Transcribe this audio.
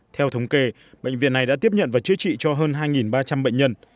theo thống kê bệnh viện này đã tiếp nhận và chữa trị cho hơn hai ba trăm linh bệnh nhân